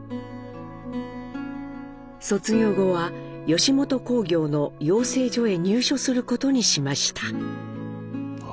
卒業後は吉本興業の養成所へ入所することにしました。